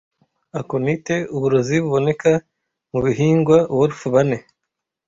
Aconite uburozi buboneka mubihingwa Wolf-bane